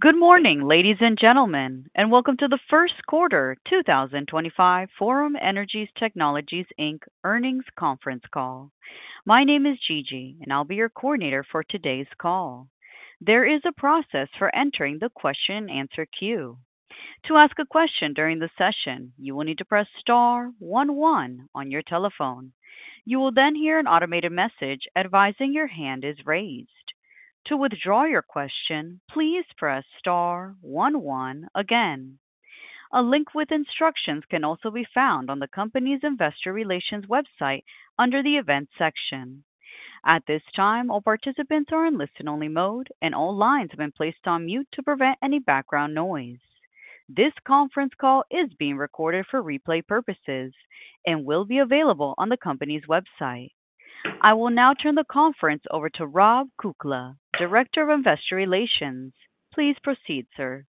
Good morning, ladies and gentlemen, and welcome to the first quarter 2025 Forum Energy Technologies Inc earnings conference call. My name is Gigi, and I'll be your coordinator for today's call. There is a process for entering the question and answer queue. To ask a question during the session, you will need to press star 11 on your telephone. You will then hear an automated message advising your hand is raised. To withdraw your question, please press star 11 again. A link with instructions can also be found on the company's investor relations website under the events section. At this time, all participants are in listen-only mode, and all lines have been placed on mute to prevent any background noise. This conference call is being recorded for replay purposes and will be available on the company's website. I will now turn the conference over to Rob Kukla, Director of Investor Relations. Please proceed, sir.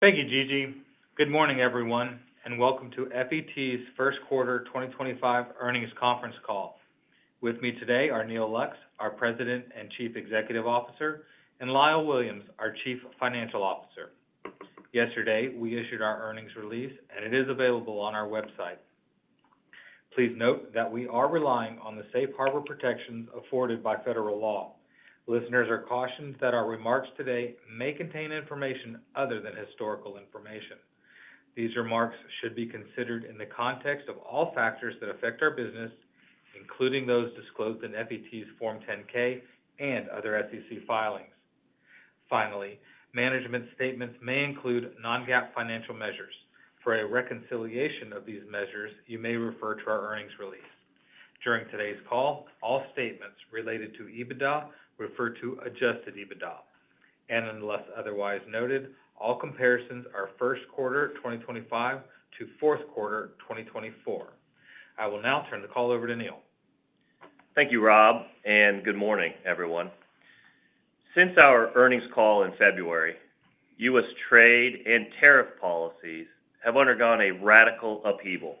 Thank you, Gigi. Good morning, everyone, and welcome to FET's first quarter 2025 earnings conference call. With me today are Neal Lux, our President and Chief Executive Officer, and Lyle Williams, our Chief Financial Officer. Yesterday, we issued our earnings release, and it is available on our website. Please note that we are relying on the safe harbor protections afforded by federal law. Listeners are cautioned that our remarks today may contain information other than historical information. These remarks should be considered in the context of all factors that affect our business, including those disclosed in FET's Form 10-K and other SEC filings. Finally, management statements may include non-GAAP financial measures. For a reconciliation of these measures, you may refer to our earnings release. During today's call, all statements related to EBITDA refer to adjusted EBITDA, and unless otherwise noted, all comparisons are first quarter 2025 to fourth quarter 2024. I will now turn the call over to Neal. Thank you, Rob, and good morning, everyone. Since our earnings call in February, U.S. trade and tariff policies have undergone a radical upheaval.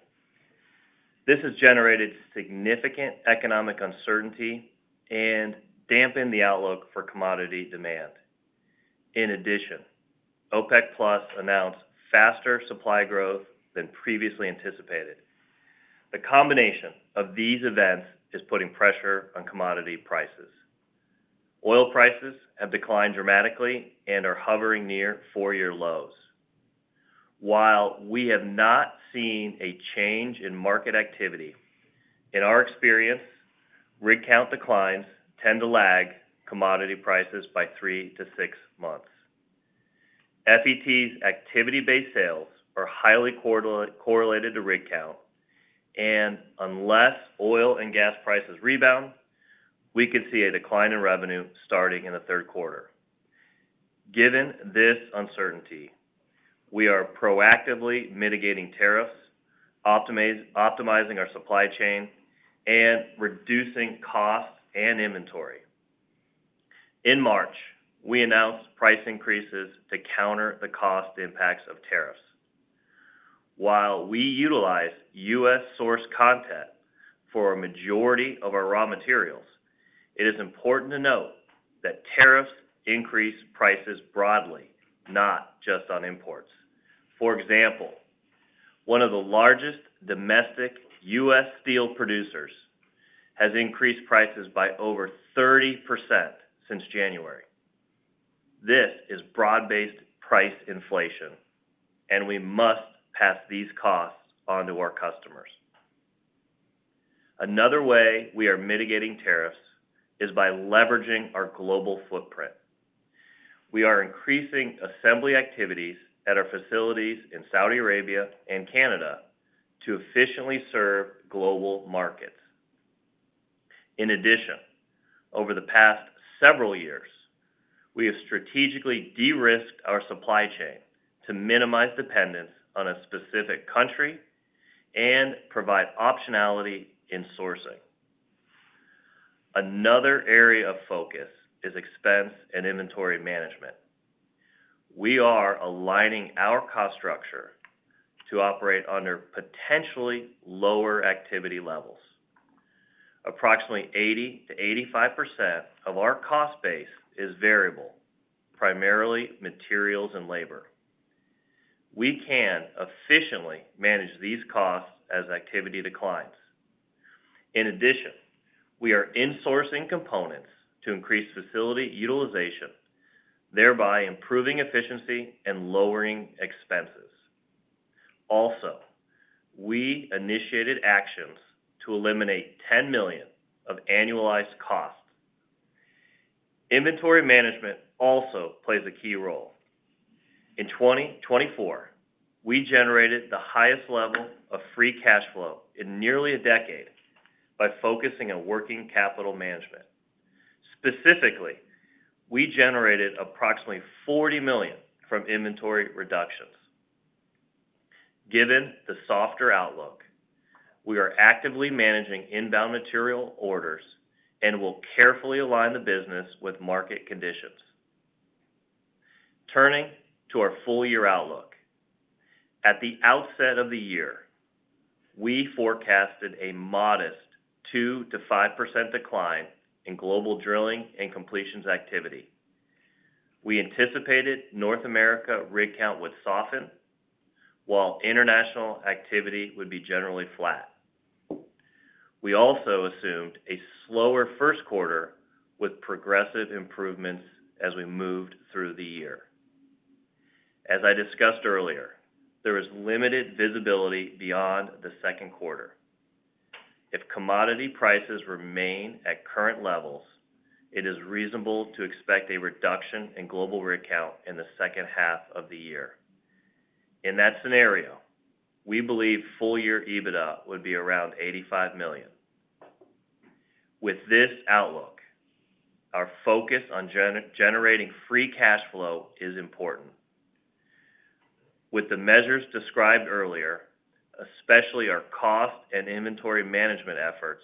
This has generated significant economic uncertainty and dampened the outlook for commodity demand. In addition, OPEC+ announced faster supply growth than previously anticipated. The combination of these events is putting pressure on commodity prices. Oil prices have declined dramatically and are hovering near four-year lows. While we have not seen a change in market activity, in our experience, rig count declines tend to lag commodity prices by three to six months. FET's activity-based sales are highly correlated to rig count, and unless oil and gas prices rebound, we could see a decline in revenue starting in the third quarter. Given this uncertainty, we are proactively mitigating tariffs, optimizing our supply chain, and reducing costs and inventory. In March, we announced price increases to counter the cost impacts of tariffs. While we utilize U.S. source content for a majority of our raw materials, it is important to note that tariffs increase prices broadly, not just on imports. For example, one of the largest domestic U.S. steel producers has increased prices by over 30% since January. This is broad-based price inflation, and we must pass these costs on to our customers. Another way we are mitigating tariffs is by leveraging our global footprint. We are increasing assembly activities at our facilities in Saudi Arabia and Canada to efficiently serve global markets. In addition, over the past several years, we have strategically de-risked our supply chain to minimize dependence on a specific country and provide optionality in sourcing. Another area of focus is expense and inventory management. We are aligning our cost structure to operate under potentially lower activity levels. Approximately 80%-85% of our cost base is variable, primarily materials and labor. We can efficiently manage these costs as activity declines. In addition, we are insourcing components to increase facility utilization, thereby improving efficiency and lowering expenses. Also, we initiated actions to eliminate $10 million of annualized costs. Inventory management also plays a key role. In 2024, we generated the highest level of free cash flow in nearly a decade by focusing on working capital management. Specifically, we generated approximately $40 million from inventory reductions. Given the softer outlook, we are actively managing inbound material orders and will carefully align the business with market conditions. Turning to our full-year outlook, at the outset of the year, we forecasted a modest 2%-5% decline in global drilling and completions activity. We anticipated North America rig count would soften, while international activity would be generally flat. We also assumed a slower first quarter with progressive improvements as we moved through the year. As I discussed earlier, there is limited visibility beyond the second quarter. If commodity prices remain at current levels, it is reasonable to expect a reduction in global rig count in the second half of the year. In that scenario, we believe full-year EBITDA would be around $85 million. With this outlook, our focus on generating free cash flow is important. With the measures described earlier, especially our cost and inventory management efforts,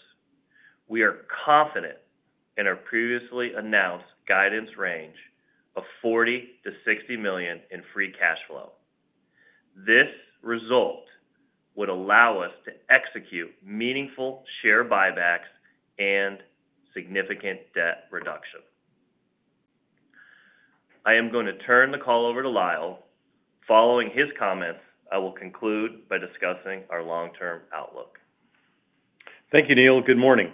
we are confident in our previously announced guidance range of $40 million-$60 million in free cash flow. This result would allow us to execute meaningful share buybacks and significant debt reduction. I am going to turn the call over to Lyle. Following his comments, I will conclude by discussing our long-term outlook. Thank you, Neal. Good morning.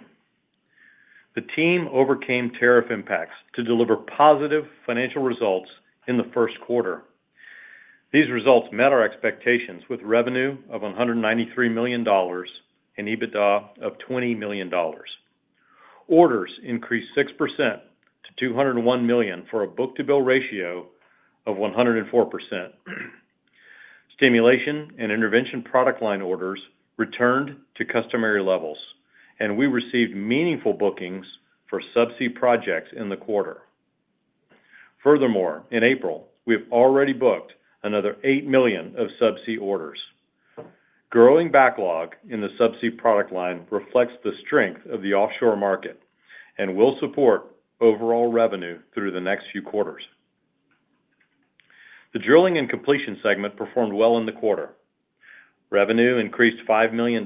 The team overcame tariff impacts to deliver positive financial results in the first quarter. These results met our expectations with revenue of $193 million and EBITDA of $20 million. Orders increased 6% to $201 million for a book-to-bill ratio of 104%. Stimulation and intervention product line orders returned to customary levels, and we received meaningful bookings for subsea projects in the quarter. Furthermore, in April, we have already booked another $8 million of subsea orders. Growing backlog in the subsea product line reflects the strength of the offshore market and will support overall revenue through the next few quarters. The drilling and completion segment performed well in the quarter. Revenue increased $5 million,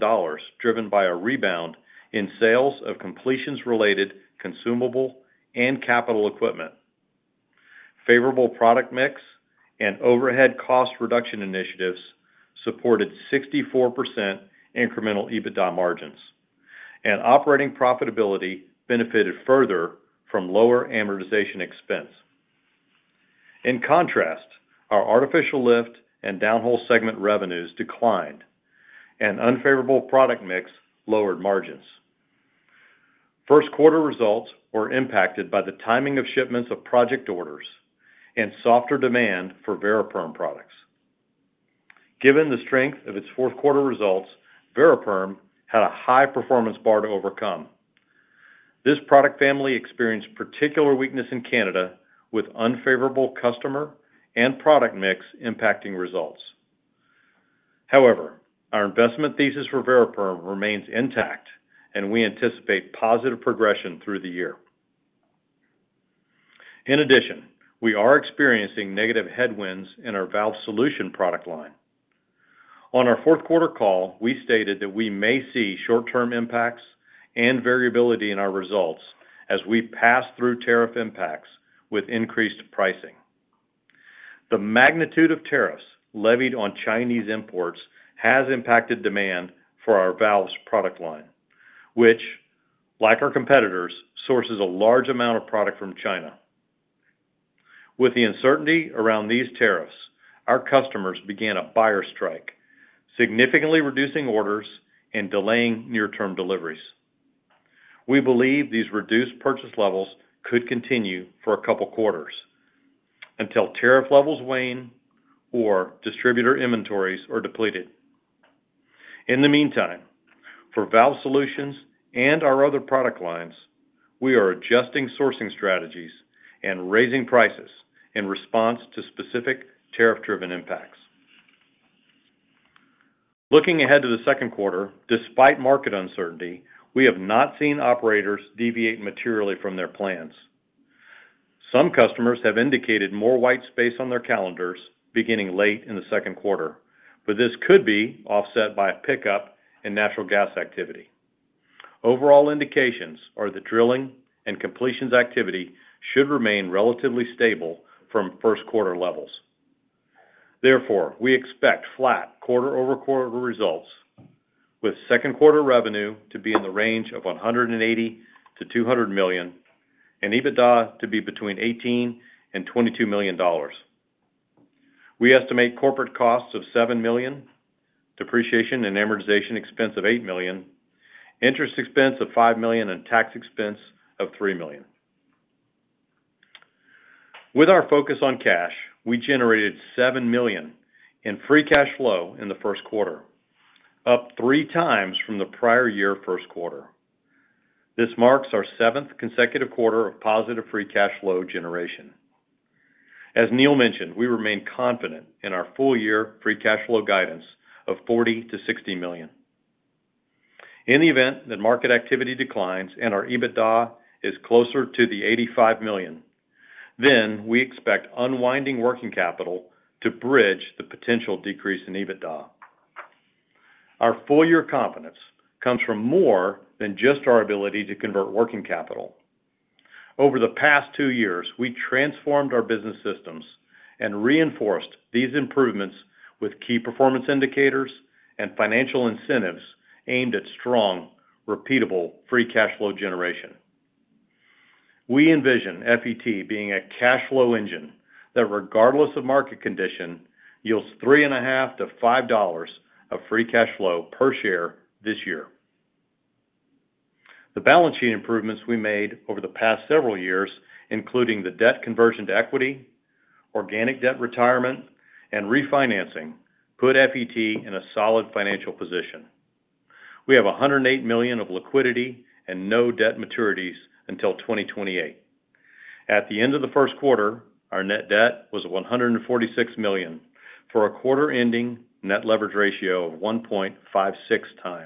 driven by a rebound in sales of completions-related consumable and capital equipment. Favorable product mix and overhead cost reduction initiatives supported 64% incremental EBITDA margins, and operating profitability benefited further from lower amortization expense. In contrast, our artificial lift and downhole segment revenues declined, and unfavorable product mix lowered margins. First-quarter results were impacted by the timing of shipments of project orders and softer demand for Variperm products. Given the strength of its fourth-quarter results, Variperm had a high performance bar to overcome. This product family experienced particular weakness in Canada, with unfavorable customer and product mix impacting results. However, our investment thesis for Variperm remains intact, and we anticipate positive progression through the year. In addition, we are experiencing negative headwinds in our valve solutions product line. On our fourth-quarter call, we stated that we may see short-term impacts and variability in our results as we pass through tariff impacts with increased pricing. The magnitude of tariffs levied on Chinese imports has impacted demand for our valve product line, which, like our competitors, sources a large amount of product from China. With the uncertainty around these tariffs, our customers began a buyer strike, significantly reducing orders and delaying near-term deliveries. We believe these reduced purchase levels could continue for a couple of quarters until tariff levels wane or distributor inventories are depleted. In the meantime, for valve solutions and our other product lines, we are adjusting sourcing strategies and raising prices in response to specific tariff-driven impacts. Looking ahead to the second quarter, despite market uncertainty, we have not seen operators deviate materially from their plans. Some customers have indicated more white space on their calendars beginning late in the second quarter, but this could be offset by a pickup in natural gas activity. Overall indications are that drilling and completions activity should remain relatively stable from first-quarter levels. Therefore, we expect flat quarter-over-quarter results, with second-quarter revenue to be in the range of $180 million-$200 million and EBITDA to be between $18 million-$22 million. We estimate corporate costs of $7 million, depreciation and amortization expense of $8 million, interest expense of $5 million, and tax expense of $3 million. With our focus on cash, we generated $7 million in free cash flow in the first quarter, up three times from the prior year first quarter. This marks our seventh consecutive quarter of positive free cash flow generation. As Neal mentioned, we remain confident in our full-year free cash flow guidance of $40 million-$60 million. In the event that market activity declines and our EBITDA is closer to the $85 million, then we expect unwinding working capital to bridge the potential decrease in EBITDA. Our full-year confidence comes from more than just our ability to convert working capital. Over the past two years, we transformed our business systems and reinforced these improvements with key performance indicators and financial incentives aimed at strong, repeatable free cash flow generation. We envision FET being a cash flow engine that, regardless of market condition, yields $3.5-$5 of free cash flow per share this year. The balance sheet improvements we made over the past several years, including the debt conversion to equity, organic debt retirement, and refinancing, put FET in a solid financial position. We have $108 million of liquidity and no debt maturities until 2028. At the end of the first quarter, our net debt was $146 million for a quarter-ending net leverage ratio of 1.56x.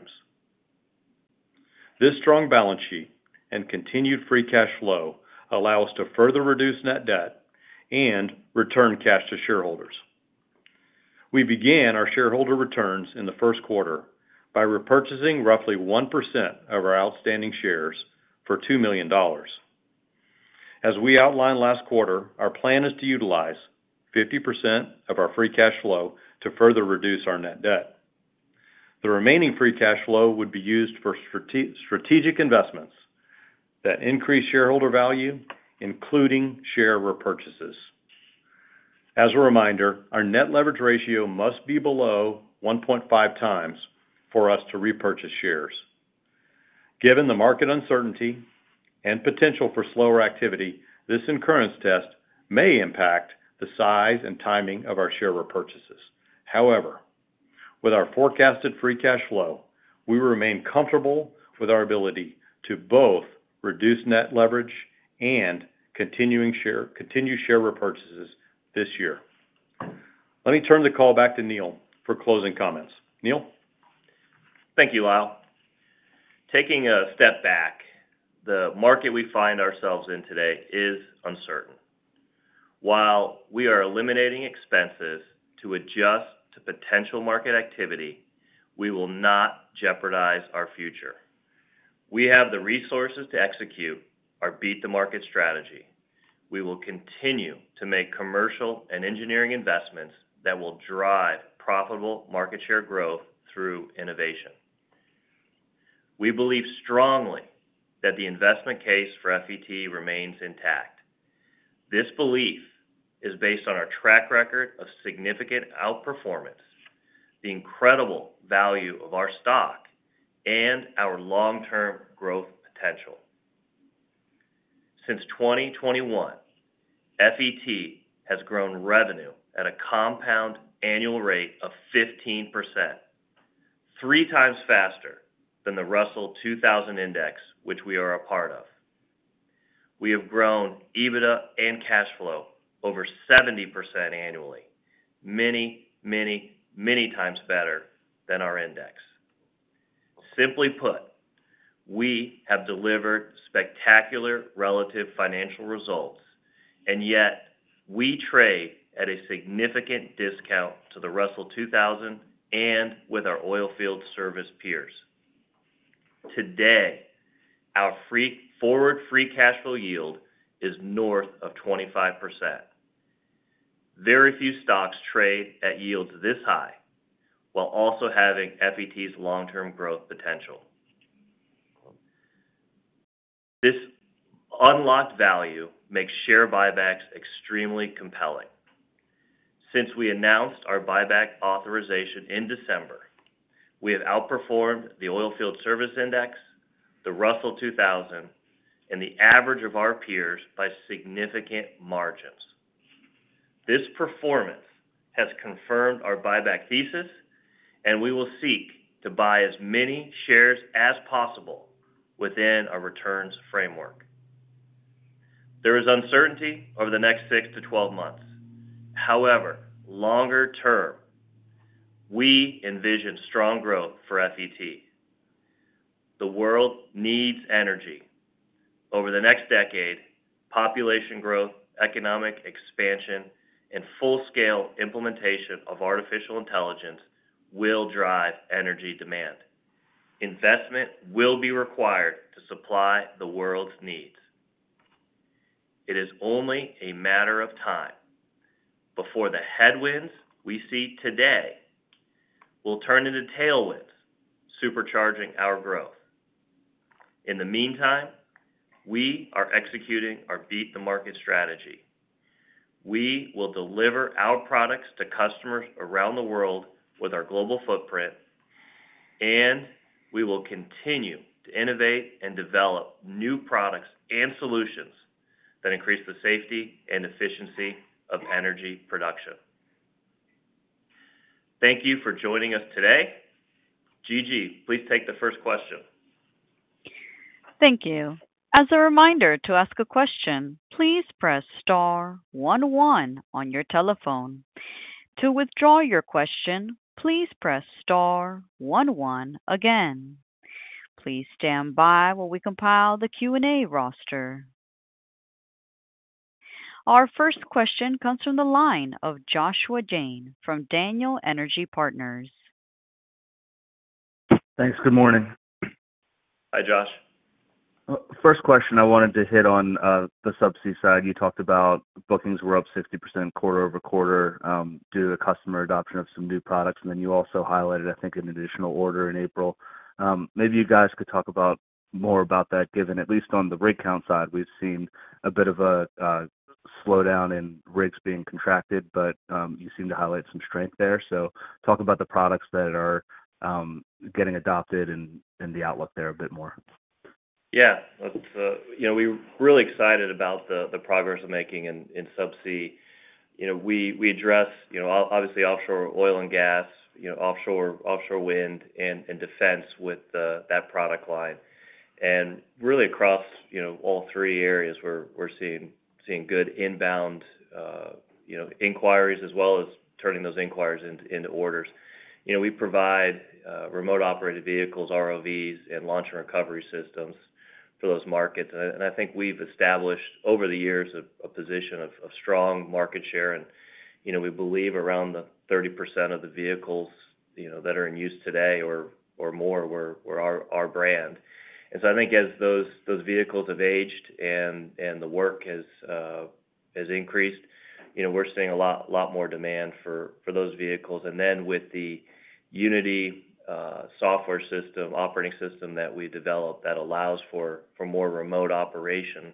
This strong balance sheet and continued free cash flow allow us to further reduce net debt and return cash to shareholders. We began our shareholder returns in the first quarter by repurchasing roughly 1% of our outstanding shares for $2 million. As we outlined last quarter, our plan is to utilize 50% of our free cash flow to further reduce our net debt. The remaining free cash flow would be used for strategic investments that increase shareholder value, including share repurchases. As a reminder, our net leverage ratio must be below 1.5x for us to repurchase shares. Given the market uncertainty and potential for slower activity, this incurrence test may impact the size and timing of our share repurchases. However, with our forecasted free cash flow, we remain comfortable with our ability to both reduce net leverage and continue share repurchases this year. Let me turn the call back to Neal for closing comments. Neal? Thank you, Lyle. Taking a step back, the market we find ourselves in today is uncertain. While we are eliminating expenses to adjust to potential market activity, we will not jeopardize our future. We have the resources to execute our beat-the-market strategy. We will continue to make commercial and engineering investments that will drive profitable market share growth through innovation. We believe strongly that the investment case for FET remains intact. This belief is based on our track record of significant outperformance, the incredible value of our stock, and our long-term growth potential. Since 2021, FET has grown revenue at a compound annual rate of 15%, three times faster than the Russell 2000 index, which we are a part of. We have grown EBITDA and cash flow over 70% annually, many, many, many times better than our index. Simply put, we have delivered spectacular relative financial results, and yet we trade at a significant discount to the Russell 2000 and with our oil field service peers. Today, our forward free cash flow yield is north of 25%. Very few stocks trade at yields this high while also having FET's long-term growth potential. This unlocked value makes share buybacks extremely compelling. Since we announced our buyback authorization in December, we have outperformed the oil field service index, the Russell 2000, and the average of our peers by significant margins. This performance has confirmed our buyback thesis, and we will seek to buy as many shares as possible within our returns framework. There is uncertainty over the next 6-12 months. However, longer term, we envision strong growth for FET. The world needs energy. Over the next decade, population growth, economic expansion, and full-scale implementation of artificial intelligence will drive energy demand. Investment will be required to supply the world's needs. It is only a matter of time before the headwinds we see today will turn into tailwinds, supercharging our growth. In the meantime, we are executing our beat-the-market strategy. We will deliver our products to customers around the world with our global footprint, and we will continue to innovate and develop new products and solutions that increase the safety and efficiency of energy production. Thank you for joining us today. Gigi, please take the first question. Thank you. As a reminder to ask a question, please press star 11 on your telephone. To withdraw your question, please press star 11 again. Please stand by while we compile the Q&A roster. Our first question comes from the line of Joshua Jayne from Daniel Energy Partners. Thanks. Good morning. Hi, Josh. First question, I wanted to hit on the subsea side. You talked about bookings were up 60% quarter-over-quarter due to the customer adoption of some new products, and then you also highlighted, I think, an additional order in April. Maybe you guys could talk more about that, given at least on the rig count side, we've seen a bit of a slowdown in rigs being contracted, but you seem to highlight some strength there. Talk about the products that are getting adopted and the outlook there a bit more. Yeah. We're really excited about the progress we're making in subsea. We address, obviously, offshore oil and gas, offshore wind, and defense with that product line. Really, across all three areas, we're seeing good inbound inquiries as well as turning those inquiries into orders. We provide remote operated vehicles, ROVs, and launch and recovery systems for those markets. I think we've established over the years a position of strong market share, and we believe around 30% of the vehicles that are in use today or more were our brand. I think as those vehicles have aged and the work has increased, we're seeing a lot more demand for those vehicles. With the Unity software system, operating system that we developed that allows for more remote operation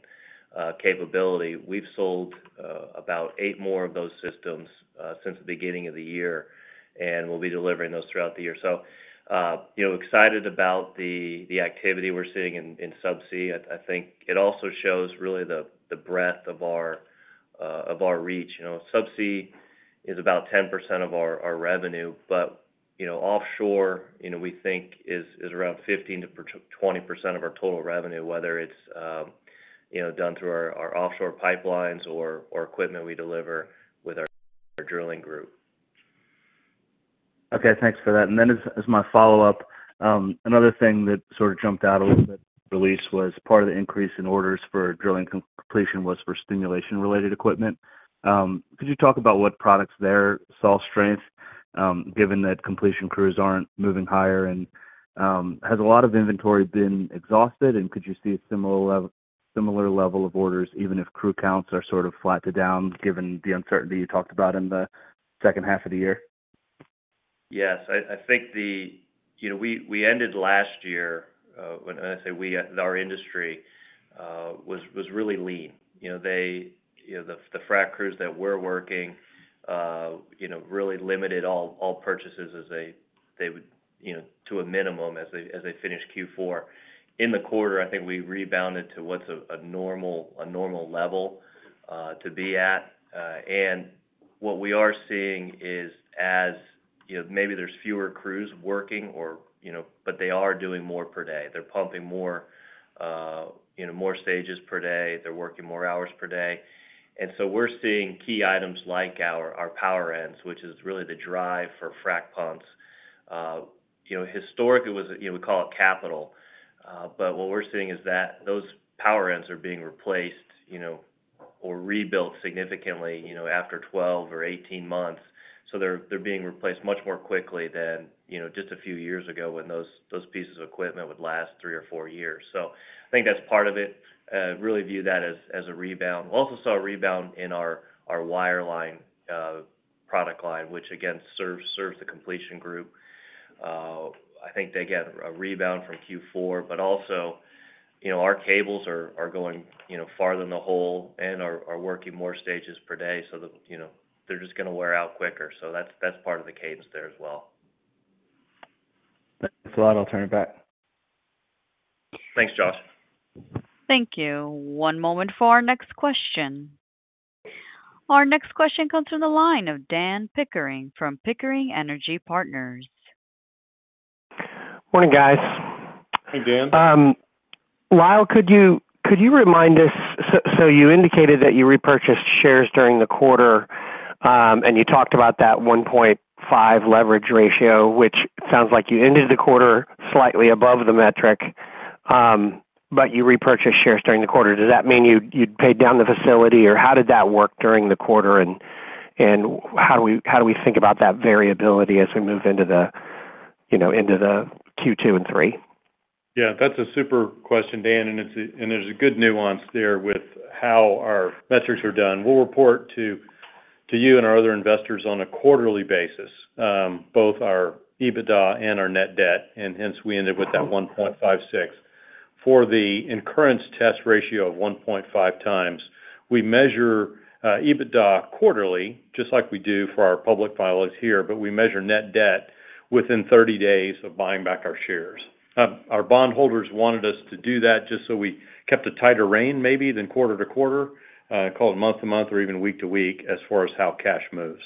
capability, we've sold about eight more of those systems since the beginning of the year, and we'll be delivering those throughout the year. Excited about the activity we're seeing in subsea. I think it also shows really the breadth of our reach. Subsea is about 10% of our revenue, but offshore, we think, is around 15%-20% of our total revenue, whether it's done through our offshore pipelines or equipment we deliver with our drilling group. Okay. Thanks for that. As my follow-up, another thing that sort of jumped out a little bit at release was part of the increase in orders for drilling completion was for stimulation-related equipment. Could you talk about what products there saw strength, given that completion crews aren't moving higher? Has a lot of inventory been exhausted, and could you see a similar level of orders, even if crew counts are sort of flat to down, given the uncertainty you talked about in the second half of the year? Yes. I think we ended last year—when I say we, our industry—was really lean. The frac crews that were working really limited all purchases to a minimum as they finished Q4. In the quarter, I think we rebounded to what's a normal level to be at. What we are seeing is, as maybe there's fewer crews working, but they are doing more per day. They're pumping more stages per day. They're working more hours per day. We are seeing key items like our power ends, which is really the drive for frac pumps. Historically, we call it capital, but what we're seeing is that those power ends are being replaced or rebuilt significantly after 12 or 18 months. They are being replaced much more quickly than just a few years ago when those pieces of equipment would last three or four years. I think that's part of it. Really view that as a rebound. We also saw a rebound in our wire line product line, which again serves the completion group. I think they get a rebound from Q4, but also our cables are going farther in the hole and are working more stages per day, so they're just going to wear out quicker. That's part of the cadence there as well. Thanks a lot. I'll turn it back. Thanks, Josh. Thank you. One moment for our next question. Our next question comes from the line of Dan Pickering from Pickering Energy Partners. Morning, guys. Hey, Dan. Lyle, could you remind us? You indicated that you repurchased shares during the quarter, and you talked about that 1.5 leverage ratio, which sounds like you ended the quarter slightly above the metric, but you repurchased shares during the quarter. Does that mean you paid down the facility, or how did that work during the quarter? How do we think about that variability as we move into Q2 and 3? Yeah. That's a super question, Dan, and there's a good nuance there with how our metrics are done. We'll report to you and our other investors on a quarterly basis, both our EBITDA and our net debt, and hence we ended with that 1.56x. For the incurrence test ratio of 1.5x, we measure EBITDA quarterly, just like we do for our public filings here, but we measure net debt within 30 days of buying back our shares. Our bondholders wanted us to do that just so we kept a tighter reign maybe than quarter to quarter. Call it month to month or even week to week as far as how cash moves.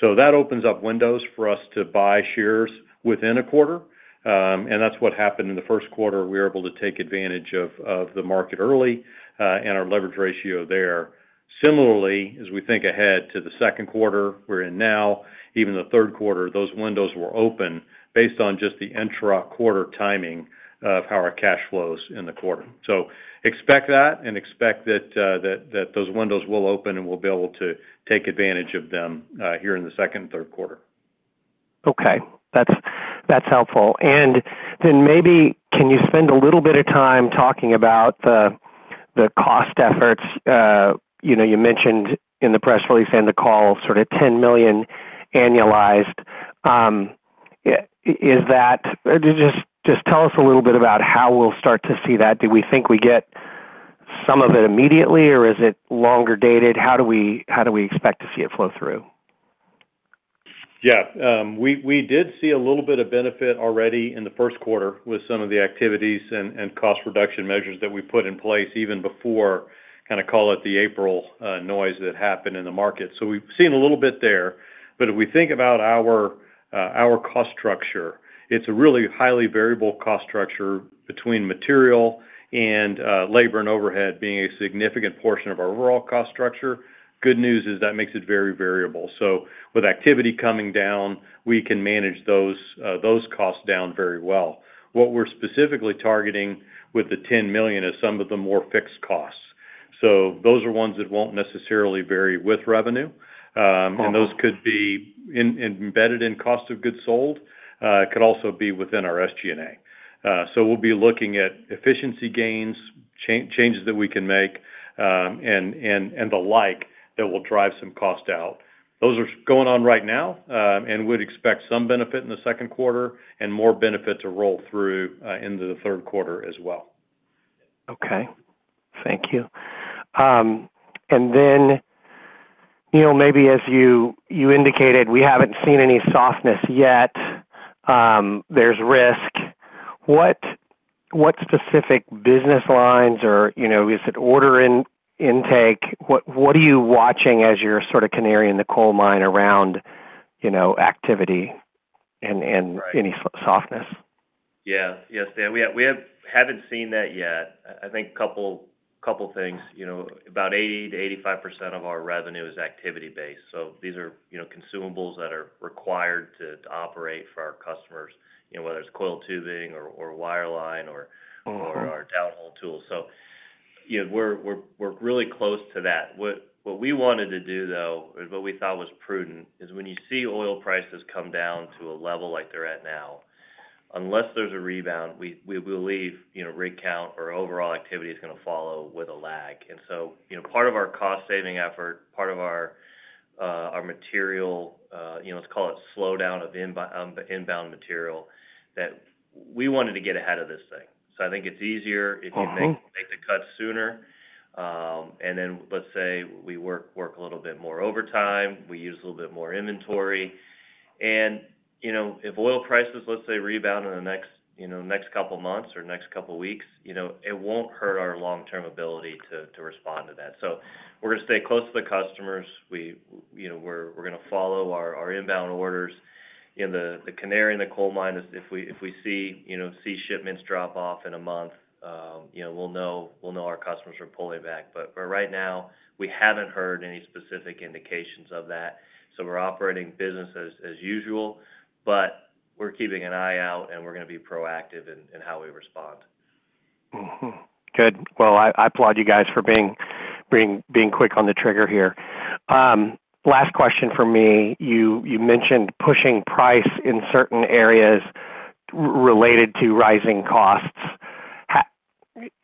That opens up windows for us to buy shares within a quarter, and that's what happened in the first quarter. We were able to take advantage of the market early and our leverage ratio there. Similarly, as we think ahead to the second quarter we're in now, even the third quarter, those windows were open based on just the intra-quarter timing of how our cash flows in the quarter. Expect that and expect that those windows will open and we'll be able to take advantage of them here in the second and third quarter. Okay. That's helpful. Maybe can you spend a little bit of time talking about the cost efforts? You mentioned in the press release and the call sort of $10 million annualized. Just tell us a little bit about how we'll start to see that. Do we think we get some of it immediately, or is it longer dated? How do we expect to see it flow through? Yeah. We did see a little bit of benefit already in the first quarter with some of the activities and cost reduction measures that we put in place even before, kind of call it, the April noise that happened in the market. We have seen a little bit there. If we think about our cost structure, it is a really highly variable cost structure between material and labor and overhead being a significant portion of our overall cost structure. The good news is that makes it very variable. With activity coming down, we can manage those costs down very well. What we are specifically targeting with the $10 million is some of the more fixed costs. Those are ones that will not necessarily vary with revenue, and those could be embedded in cost of goods sold. It could also be within our SG&A. We will be looking at efficiency gains, changes that we can make, and the like that will drive some cost out. Those are going on right now, and we would expect some benefit in the second quarter and more benefit to roll through into the third quarter as well. Okay. Thank you. Maybe as you indicated, we haven't seen any softness yet. There's risk. What specific business lines or is it order intake? What are you watching as your sort of canary in the coal mine around activity and any softness? Yeah. Yes, Dan. We haven't seen that yet. I think a couple of things. About 80%-85% of our revenue is activity-based. These are consumables that are required to operate for our customers, whether it's coil tubing or wire line or our downhole tools. We're really close to that. What we wanted to do, though, is what we thought was prudent, is when you see oil prices come down to a level like they're at now, unless there's a rebound, we believe rig count or overall activity is going to follow with a lag. Part of our cost-saving effort, part of our material, let's call it slowdown of inbound material, that we wanted to get ahead of this thing. I think it's easier if you make the cut sooner. Let's say we work a little bit more overtime. We use a little bit more inventory. If oil prices, let's say, rebound in the next couple of months or next couple of weeks, it won't hurt our long-term ability to respond to that. We are going to stay close to the customers. We are going to follow our inbound orders. The canary in the coal mine, if we see sea shipments drop off in a month, we will know our customers are pulling back. Right now, we have not heard any specific indications of that. We are operating business as usual, but we are keeping an eye out, and we are going to be proactive in how we respond. Good. I applaud you guys for being quick on the trigger here. Last question for me. You mentioned pushing price in certain areas related to rising costs.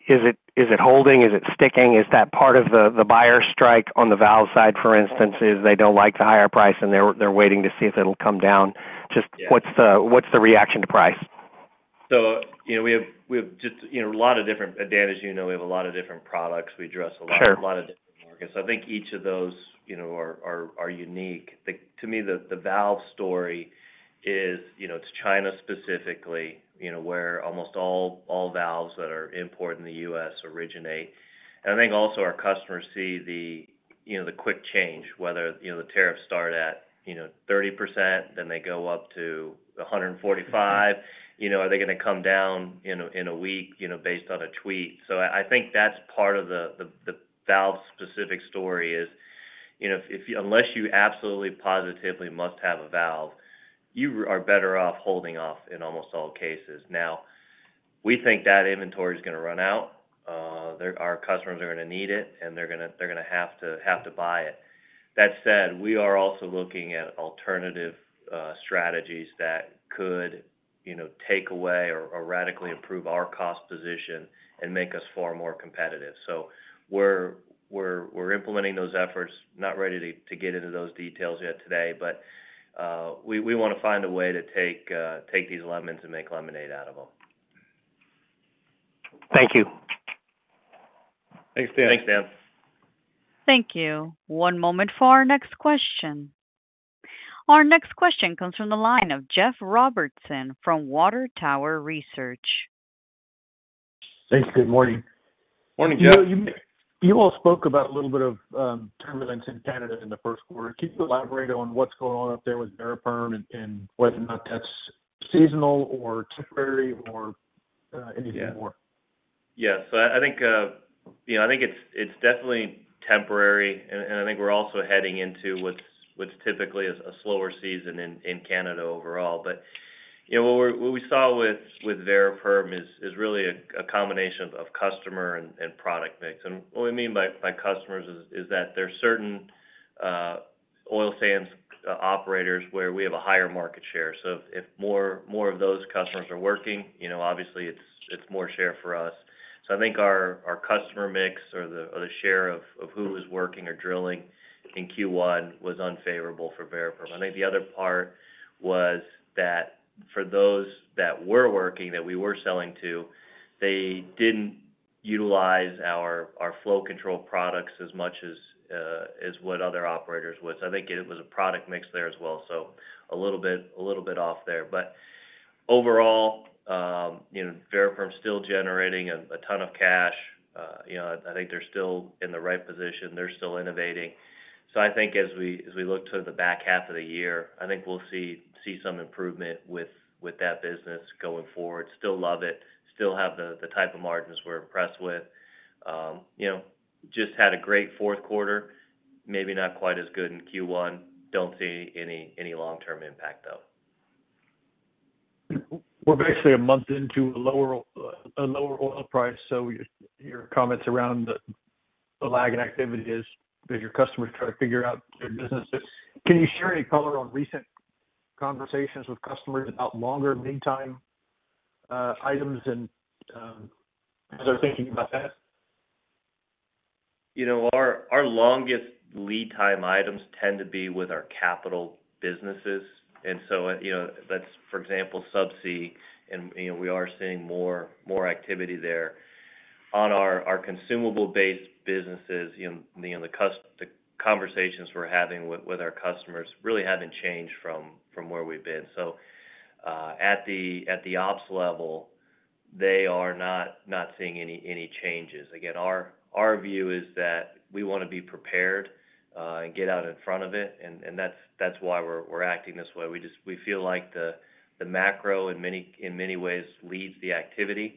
Is it holding? Is it sticking? Is that part of the buyer strike on the valve side, for instance, is they do not like the higher price and they are waiting to see if it will come down? Just what is the reaction to price? We have just a lot of different advantages. We have a lot of different products. We address a lot of different markets. I think each of those are unique. To me, the valve story is it's China specifically where almost all valves that are imported in the U.S. originate. I think also our customers see the quick change, whether the tariffs start at 30%, then they go up to 145%. Are they going to come down in a week based on a tweet? I think that's part of the valve-specific story is unless you absolutely positively must have a valve, you are better off holding off in almost all cases. Now, we think that inventory is going to run out. Our customers are going to need it, and they're going to have to buy it. That said, we are also looking at alternative strategies that could take away or radically improve our cost position and make us far more competitive. We are implementing those efforts. Not ready to get into those details yet today, but we want to find a way to take these lemons and make lemonade out of them. Thank you. Thanks, Dan. Thanks, Dan. Thank you. One moment for our next question. Our next question comes from the line of Jeff Robertson from Water Tower Research. Thanks. Good morning. Morning, Jeff. You all spoke about a little bit of turbulence in Canada in the first quarter. Can you elaborate on what's going on up there with Variperm and whether or not that's seasonal or temporary or anything more? Yeah. I think it's definitely temporary, and I think we're also heading into what's typically a slower season in Canada overall. What we saw with Variperm is really a combination of customer and product mix. What we mean by customers is that there are certain oil sands operators where we have a higher market share. If more of those customers are working, obviously it's more share for us. I think our customer mix or the share of who was working or drilling in Q1 was unfavorable for Variperm. I think the other part was that for those that were working that we were selling to, they didn't utilize our flow control products as much as what other operators would. I think it was a product mix there as well. A little bit off there. Overall, Variperm is still generating a ton of cash. I think they're still in the right position. They're still innovating. I think as we look to the back half of the year, I think we'll see some improvement with that business going forward. Still love it. Still have the type of margins we're impressed with. Just had a great fourth quarter. Maybe not quite as good in Q1. Don't see any long-term impact, though. We're basically a month into a lower oil price, so your comments around the lag in activity is because your customers try to figure out their businesses. Can you share any color on recent conversations with customers about longer lead time items and how they're thinking about that? Our longest lead time items tend to be with our capital businesses. For example, subsea, and we are seeing more activity there. On our consumable-based businesses, the conversations we are having with our customers really have not changed from where we have been. At the ops level, they are not seeing any changes. Again, our view is that we want to be prepared and get out in front of it, and that is why we are acting this way. We feel like the macro in many ways leads the activity.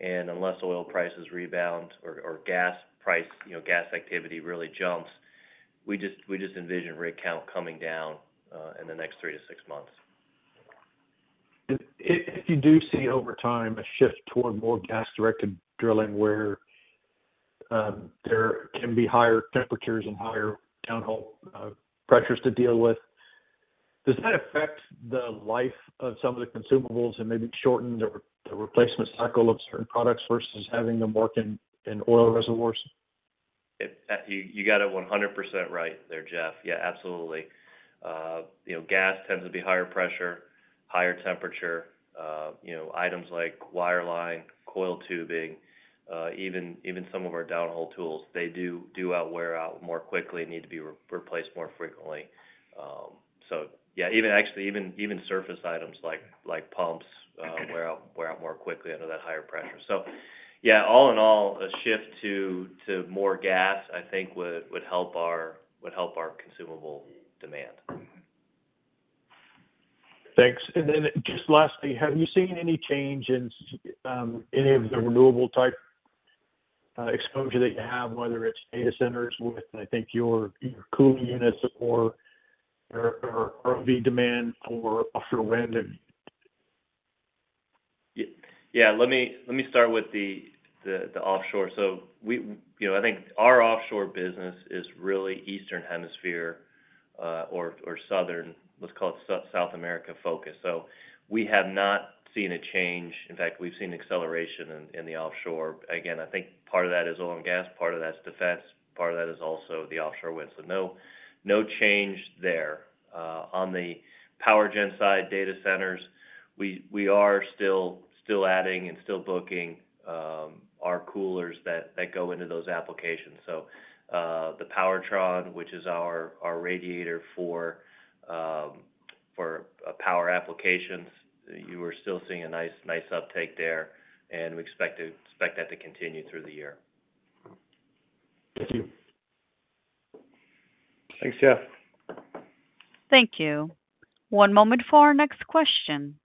Unless oil prices rebound or gas activity really jumps, we just envision rig count coming down in the next three to six months. If you do see over time a shift toward more gas-directed drilling where there can be higher temperatures and higher downhole pressures to deal with, does that affect the life of some of the consumables and maybe shorten the replacement cycle of certain products versus having them work in oil reservoirs? You got it 100% right there, Jeff. Yeah, absolutely. Gas tends to be higher pressure, higher temperature. Items like wire line, coil tubing, even some of our downhole tools, they do wear out more quickly and need to be replaced more frequently. Yeah, actually, even surface items like pumps wear out more quickly under that higher pressure. All in all, a shift to more gas, I think, would help our consumable demand. Thanks. Lastly, have you seen any change in any of the renewable type exposure that you have, whether it's data centers with, I think, your cooling units or ROV demand for offshore wind? Yeah. Let me start with the offshore. I think our offshore business is really Eastern Hemisphere or, let's call it, South America focus. We have not seen a change. In fact, we've seen acceleration in the offshore. I think part of that is oil and gas. Part of that is defense. Part of that is also the offshore wind. No change there. On the power gen side, data centers, we are still adding and still booking our coolers that go into those applications. The Powertron, which is our radiator for power applications, you are still seeing a nice uptake there, and we expect that to continue through the year. Thank you. Thanks, Jeff. Thank you. One moment for our next question.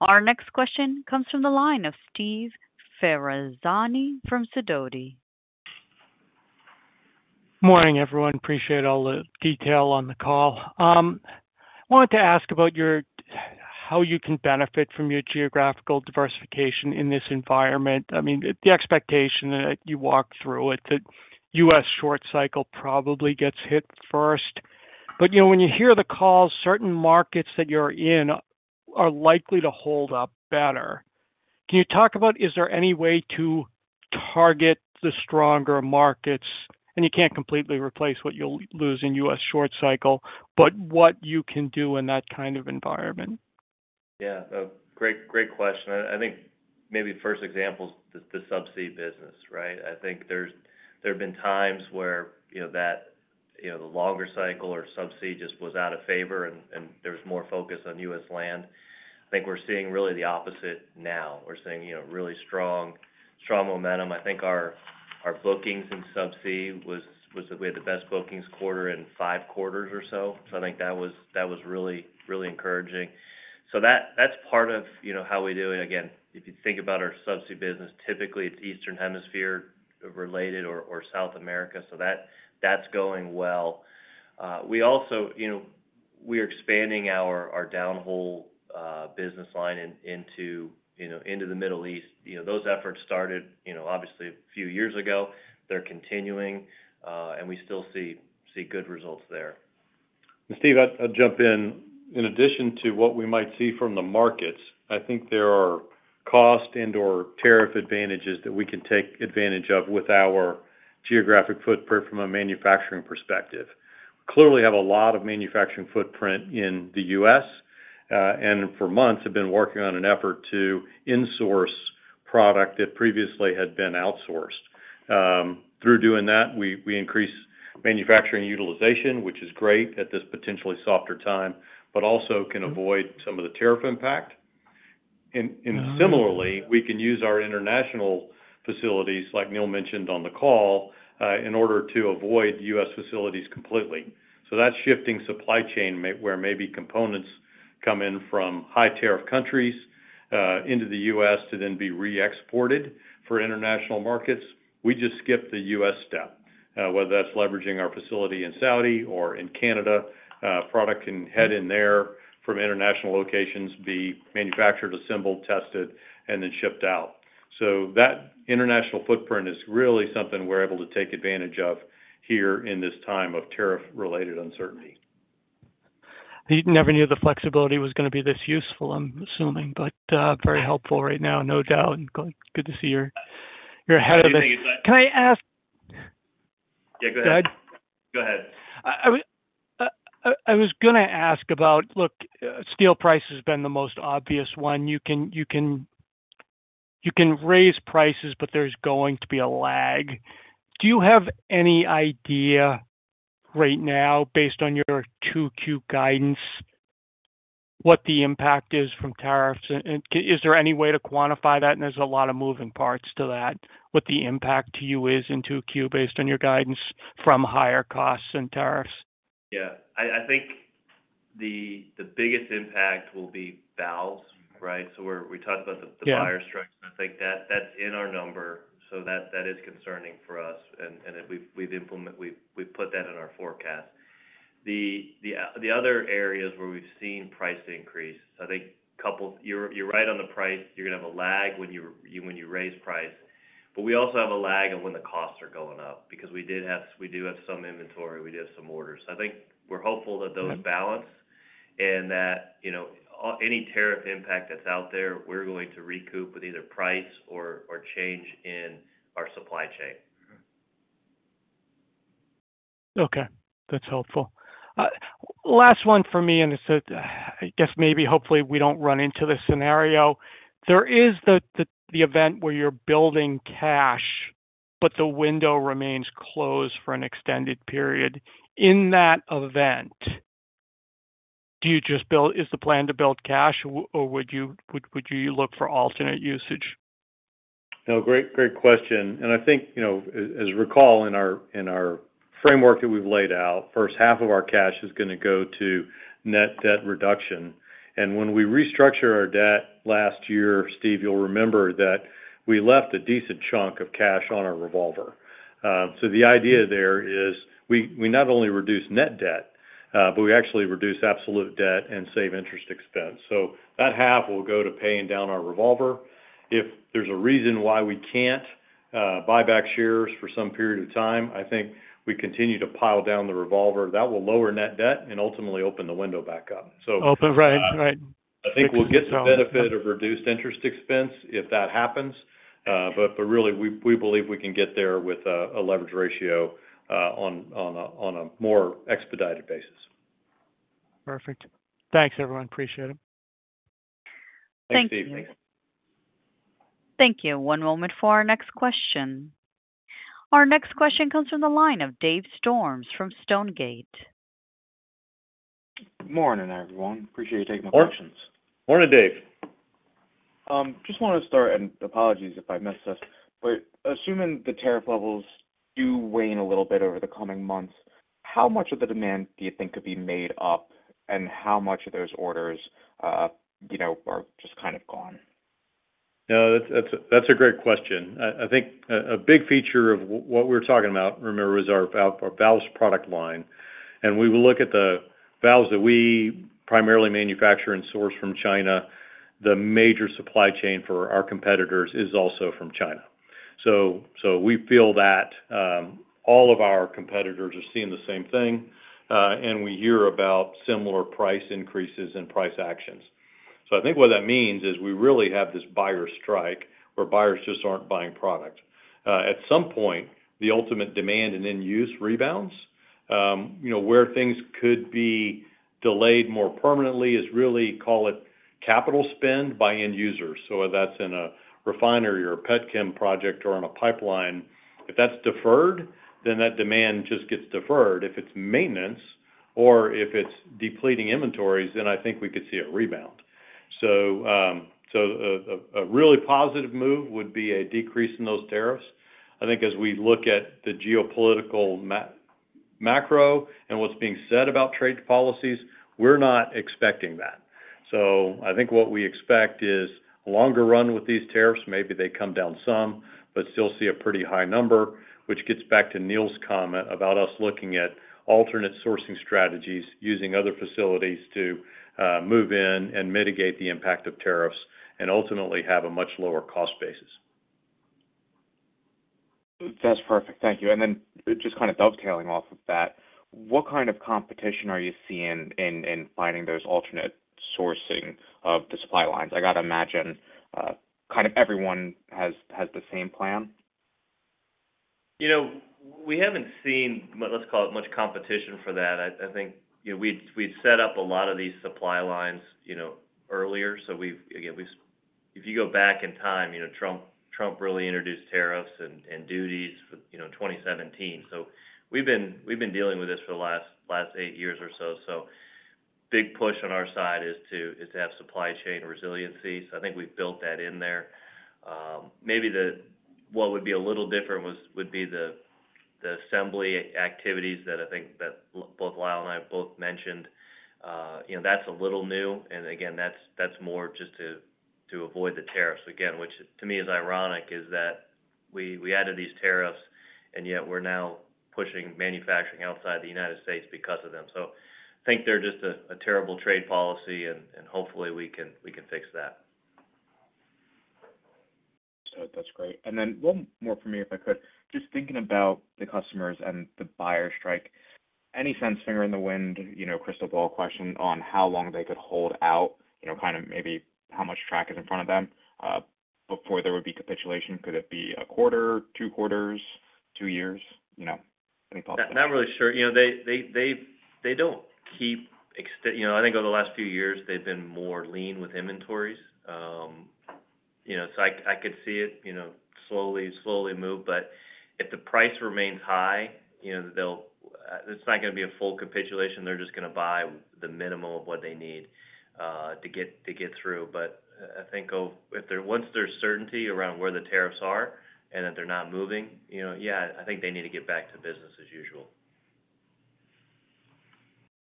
Our next question comes from the line of Steve Ferazani from Sidoti. Morning, everyone. Appreciate all the detail on the call. I wanted to ask about how you can benefit from your geographical diversification in this environment. I mean, the expectation that you walk through it, that U.S. short cycle probably gets hit first. I mean, when you hear the calls, certain markets that you're in are likely to hold up better. Can you talk about is there any way to target the stronger markets? You can't completely replace what you'll lose in U.S. short cycle, but what you can do in that kind of environment? Yeah. Great question. I think maybe first example is the subsea business, right? I think there have been times where the longer cycle or subsea just was out of favor and there was more focus on U.S. land. I think we're seeing really the opposite now. We're seeing really strong momentum. I think our bookings in subsea was that we had the best bookings quarter in five quarters or so. I think that was really encouraging. That is part of how we do it. Again, if you think about our subsea business, typically it's Eastern Hemisphere related or South America. That is going well. We are expanding our downhole business line into the Middle East. Those efforts started obviously a few years ago. They're continuing, and we still see good results there. Steve, I'll jump in. In addition to what we might see from the markets, I think there are cost and/or tariff advantages that we can take advantage of with our geographic footprint from a manufacturing perspective. Clearly, we have a lot of manufacturing footprint in the U.S. and for months have been working on an effort to insource product that previously had been outsourced. Through doing that, we increase manufacturing utilization, which is great at this potentially softer time, but also can avoid some of the tariff impact. Similarly, we can use our international facilities, like Neal mentioned on the call, in order to avoid U.S. facilities completely. That is shifting supply chain where maybe components come in from high tariff countries into the U.S. to then be re-exported for international markets. We just skip the U.S. step, whether that is leveraging our facility in Saudi Arabia or in Canada. Product can head in there from international locations, be manufactured, assembled, tested, and then shipped out. That international footprint is really something we're able to take advantage of here in this time of tariff-related uncertainty. You never knew the flexibility was going to be this useful, I'm assuming, but very helpful right now, no doubt. Good to see you're ahead of it. Can I ask? Yeah, go ahead. Go ahead. I was going to ask about, look, steel price has been the most obvious one. You can raise prices, but there's going to be a lag. Do you have any idea right now, based on your 2Q guidance, what the impact is from tariffs? Is there any way to quantify that? There's a lot of moving parts to that. What the impact to you is in 2Q based on your guidance from higher costs and tariffs? Yeah. I think the biggest impact will be valves, right? We talked about the buyer strikes. I think that's in our number. That is concerning for us. We've put that in our forecast. The other areas where we've seen price increase, I think you're right on the price. You're going to have a lag when you raise price. We also have a lag on when the costs are going up because we do have some inventory. We do have some orders. I think we're hopeful that those balance and that any tariff impact that's out there, we're going to recoup with either price or change in our supply chain. Okay. That's helpful. Last one for me, and I guess maybe hopefully we don't run into this scenario. There is the event where you're building cash, but the window remains closed for an extended period. In that event, do you just build? Is the plan to build cash, or would you look for alternate usage? Great question. I think, as you recall, in our framework that we have laid out, the first half of our cash is going to go to net debt reduction. When we restructured our debt last year, Steve, you will remember that we left a decent chunk of cash on our revolver. The idea there is we not only reduce net debt, but we actually reduce absolute debt and save interest expense. That half will go to paying down our revolver. If there is a reason why we cannot buy back shares for some period of time, I think we continue to pile down the revolver. That will lower net debt and ultimately open the window back up. Open, right. Right. I think we'll get the benefit of reduced interest expense if that happens. Really, we believe we can get there with a leverage ratio on a more expedited basis. Perfect. Thanks, everyone. Appreciate it. Thanks, Steve. Thank you. One moment for our next question. Our next question comes from the line of Dave Storms from Stonegate. Good morning, everyone. Appreciate you taking my questions. Morning, Dave. Just want to start, and apologies if I missed this, but assuming the tariff levels do wane a little bit over the coming months, how much of the demand do you think could be made up, and how much of those orders are just kind of gone? No, that's a great question. I think a big feature of what we're talking about, remember, is our valves product line. We will look at the valves that we primarily manufacture and source from China. The major supply chain for our competitors is also from China. We feel that all of our competitors are seeing the same thing, and we hear about similar price increases and price actions. I think what that means is we really have this buyer strike where buyers just aren't buying product. At some point, the ultimate demand and end-use rebounds. Where things could be delayed more permanently is really, call it capital spend by end users. Whether that's in a refinery or a Petchem project or on a pipeline, if that's deferred, then that demand just gets deferred. If it's maintenance or if it's depleting inventories, then I think we could see a rebound. A really positive move would be a decrease in those tariffs. I think as we look at the geopolitical macro and what's being said about trade policies, we're not expecting that. I think what we expect is a longer run with these tariffs. Maybe they come down some, but still see a pretty high number, which gets back to Neal's comment about us looking at alternate sourcing strategies, using other facilities to move in and mitigate the impact of tariffs and ultimately have a much lower cost basis. That's perfect. Thank you. Just kind of dovetailing off of that, what kind of competition are you seeing in finding those alternate sourcing of the supply lines? I got to imagine kind of everyone has the same plan. We haven't seen, let's call it, much competition for that. I think we'd set up a lot of these supply lines earlier. If you go back in time, Trump really introduced tariffs and duties in 2017. We have been dealing with this for the last eight years or so. A big push on our side is to have supply chain resiliency. I think we've built that in there. Maybe what would be a little different would be the assembly activities that I think that both Lyle and I have both mentioned. That's a little new. That is more just to avoid the tariffs. Again, which to me is ironic, is that we added these tariffs, and yet we're now pushing manufacturing outside the U.S. because of them. I think they're just a terrible trade policy, and hopefully we can fix that. That's great. One more from me, if I could. Just thinking about the customers and the buyer strike, any sense, finger in the wind, crystal ball question on how long they could hold out, kind of maybe how much track is in front of them before there would be capitulation? Could it be a quarter, two quarters, two years? Any thoughts? Not really sure. They do not keep, I think over the last few years, they have been more lean with inventories. I could see it slowly move. If the price remains high, it is not going to be a full capitulation. They are just going to buy the minimum of what they need to get through. I think once there is certainty around where the tariffs are and that they are not moving, I think they need to get back to business as usual.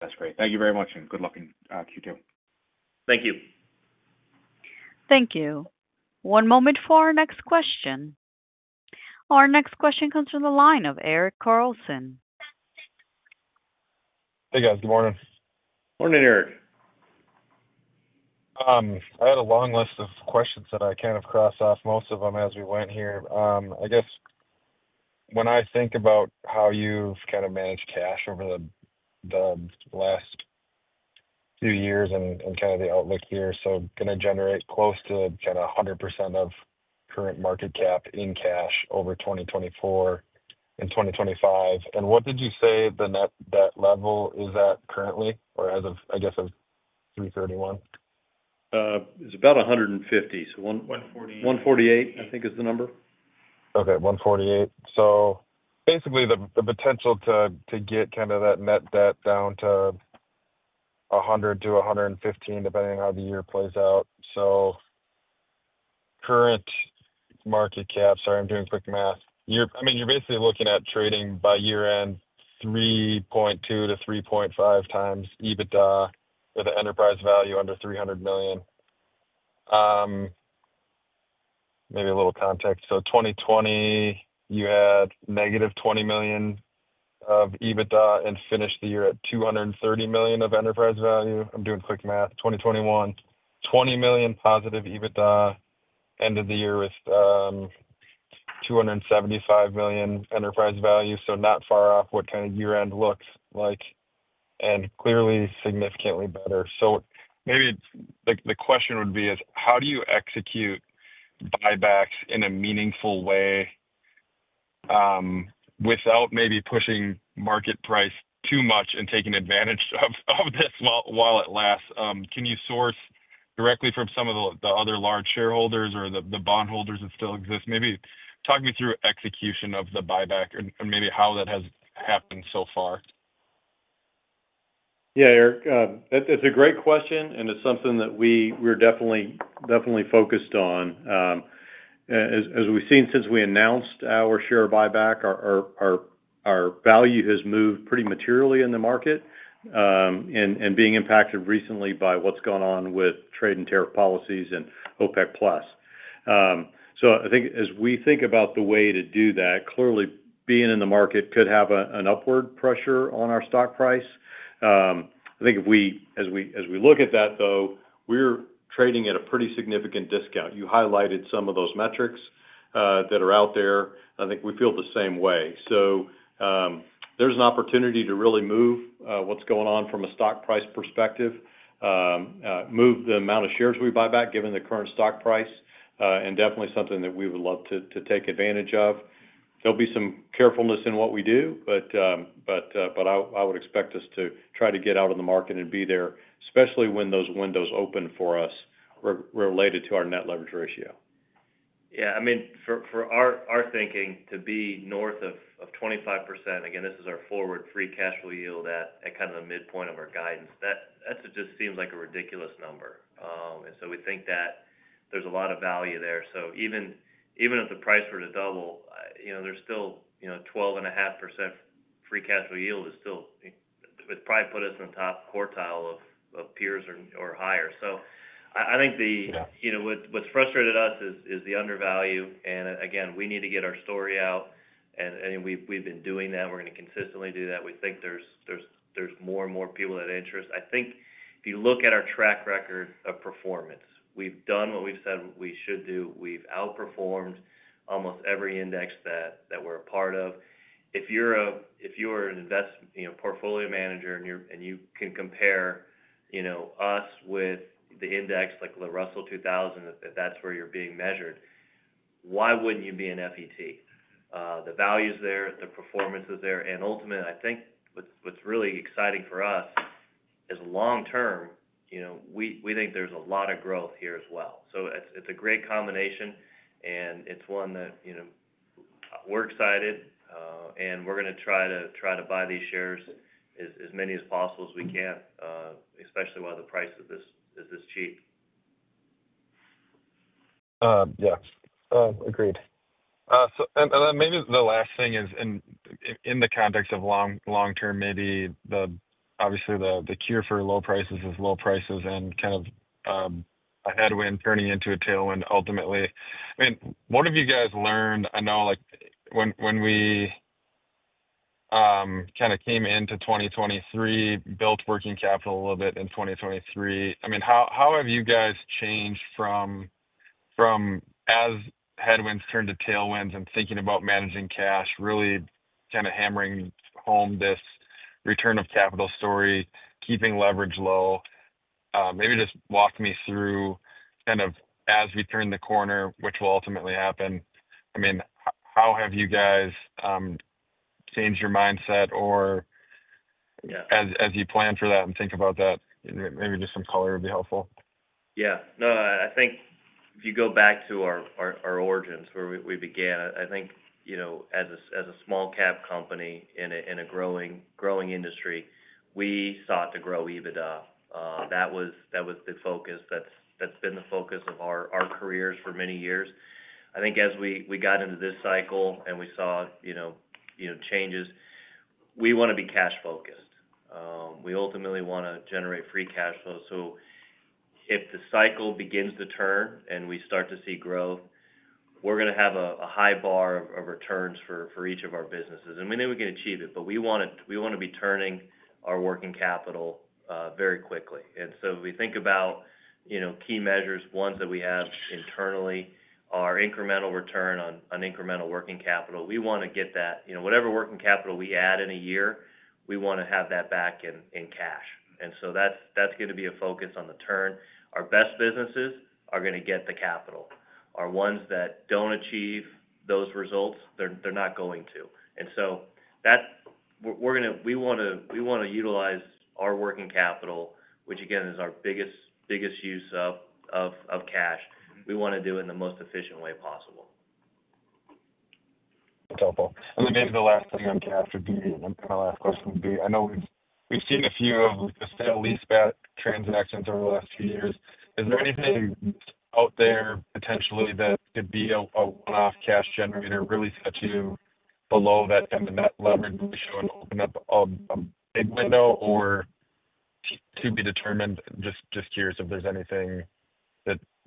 That's great. Thank you very much, and good luck in Q2. Thank you. Thank you. One moment for our next question. Our next question comes from the line of Eric Carlson. Hey, guys. Good morning. Morning, Eric. I had a long list of questions that I kind of crossed off, most of them as we went here. I guess when I think about how you've kind of managed cash over the last few years and kind of the outlook here, going to generate close to 100% of current market cap in cash over 2024 and 2025. What did you say the net debt level is at currently or as of, I guess, 3/31? It's about 150. 148. 148, I think, is the number. Okay. 148. So basically, the potential to get kind of that net debt down to $100 million-$115 million, depending on how the year plays out. So current market cap, sorry, I'm doing quick math. I mean, you're basically looking at trading by year-end 3.2x-3.5x EBITDA with an enterprise value under $300 million. Maybe a little context. In 2020, you had -$20 million of EBITDA and finished the year at $230 million of enterprise value. I'm doing quick math. In 2021, $20 million positive EBITDA, end of the year with $275 million enterprise value. So not far off what kind of year-end looks like and clearly significantly better. Maybe the question would be, how do you execute buybacks in a meaningful way without maybe pushing market price too much and taking advantage of this while it lasts? Can you source directly from some of the other large shareholders or the bondholders that still exist? Maybe talk me through execution of the buyback and maybe how that has happened so far. Yeah, Eric, that's a great question, and it's something that we're definitely focused on. As we've seen since we announced our share buyback, our value has moved pretty materially in the market and being impacted recently by what's gone on with trade and tariff policies and OPEC+. I think as we think about the way to do that, clearly being in the market could have an upward pressure on our stock price. I think as we look at that, though, we're trading at a pretty significant discount. You highlighted some of those metrics that are out there. I think we feel the same way. There is an opportunity to really move what is going on from a stock price perspective, move the amount of shares we buy back given the current stock price, and definitely something that we would love to take advantage of. There will be some carefulness in what we do, but I would expect us to try to get out of the market and be there, especially when those windows open for us related to our net leverage ratio. Yeah. I mean, for our thinking, to be north of 25%, again, this is our forward free cash flow yield at kind of the midpoint of our guidance. That just seems like a ridiculous number. We think that there's a lot of value there. Even if the price were to double, there's still 12.5% free cash flow yield, it would probably put us in the top quartile of peers or higher. I think what's frustrated us is the undervalue. Again, we need to get our story out. We've been doing that. We're going to consistently do that. We think there's more and more people that interest. I think if you look at our track record of performance, we've done what we've said we should do. We've outperformed almost every index that we're a part of. If you're an investment portfolio manager and you can compare us with the index like the Russell 2000, if that's where you're being measured, why wouldn't you be an FET? The value's there, the performance is there. Ultimately, I think what's really exciting for us is long-term, we think there's a lot of growth here as well. It's a great combination, and it's one that we're excited, and we're going to try to buy these shares as many as possible as we can, especially while the price is this cheap. Yes. Agreed. Maybe the last thing is in the context of long-term, maybe obviously the cure for low prices is low prices and kind of a headwind turning into a tailwind ultimately. I mean, what have you guys learned? I know when we kind of came into 2023, built working capital a little bit in 2023. I mean, how have you guys changed from as headwinds turned to tailwinds and thinking about managing cash, really kind of hammering home this return of capital story, keeping leverage low? Maybe just walk me through kind of as we turn the corner, which will ultimately happen. I mean, how have you guys changed your mindset or as you plan for that and think about that? Maybe just some color would be helpful. Yeah. No, I think if you go back to our origins where we began, I think as a small-cap company in a growing industry, we sought to grow EBITDA. That was the focus. That's been the focus of our careers for many years. I think as we got into this cycle and we saw changes, we want to be cash-focused. We ultimately want to generate free cash flow. If the cycle begins to turn and we start to see growth, we're going to have a high bar of returns for each of our businesses. We know we can achieve it, but we want to be turning our working capital very quickly. If we think about key measures, ones that we have internally, our incremental return on incremental working capital, we want to get that. Whatever working capital we add in a year, we want to have that back in cash. That is going to be a focus on the turn. Our best businesses are going to get the capital. Our ones that do not achieve those results, they are not going to. We want to utilize our working capital, which again is our biggest use of cash. We want to do it in the most efficient way possible. That's helpful. Maybe the last thing on cash would be, and my last question would be, I know we've seen a few of the set-lease-back transactions over the last few years. Is there anything out there potentially that could be a one-off cash generator, really set you below that leverage ratio and open up a big window or to be determined? Just curious if there's anything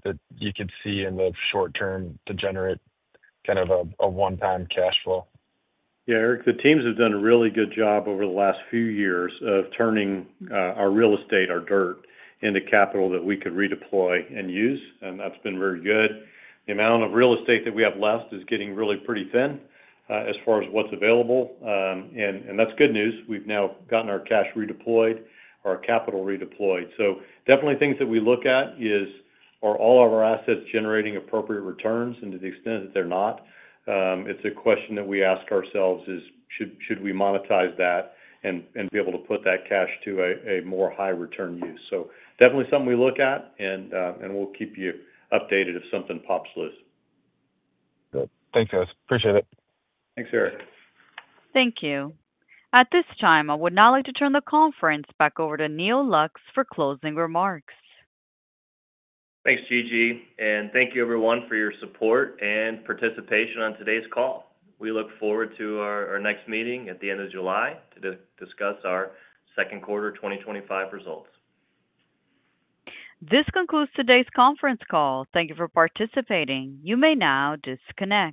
that you could see in the short term to generate kind of a one-time cash flow. Yeah, Eric, the teams have done a really good job over the last few years of turning our real estate, our dirt, into capital that we could redeploy and use. That's been very good. The amount of real estate that we have left is getting really pretty thin as far as what's available. That's good news. We've now gotten our cash redeployed, our capital redeployed. Definitely things that we look at is, are all of our assets generating appropriate returns? To the extent that they're not, it's a question that we ask ourselves, should we monetize that and be able to put that cash to a more high-return use? Definitely something we look at, and we'll keep you updated if something pops loose. Good. Thank you, guys. Appreciate it. Thanks, Eric. Thank you. At this time, I would now like to turn the conference back over to Neal Lux for closing remarks. Thanks, Gigi. Thank you, everyone, for your support and participation on today's call. We look forward to our next meeting at the end of July to discuss our second quarter 2025 results. This concludes today's conference call. Thank you for participating. You may now disconnect.